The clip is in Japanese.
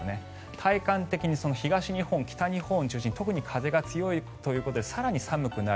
体感的に東日本、北日本を中心に特に風が強いということで更に寒くなる。